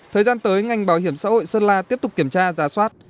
thời gian tới ngành bảo hiểm xã hội sơn la tiếp tục kiểm tra giả soát